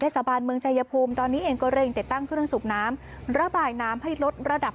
ทรัพยาพืมตอนนี้เองก็เร่งติดตั้งเครื่องสูบน้ำระบายน้ำให้ลดระดับ